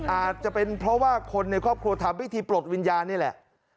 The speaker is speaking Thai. อาจจะเป็นเพราะว่าคนในครอบครัวทำพิธีปลดวิญญาณนี่แหละ